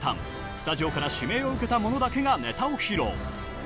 スタジオから指名を受けた者だけがネタを披露。